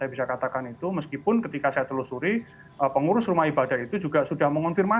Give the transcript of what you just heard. saya bisa katakan itu meskipun ketika saya telusuri pengurus rumah ibadah itu juga sudah mengonfirmasi